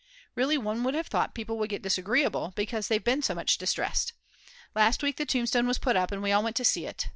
Really one would have thought people would get disagreeable, because they've been so much distressed. Last week the tombstone was put up and we all went to see it.